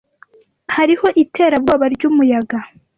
Hariho iterabwoba ryumuyaga.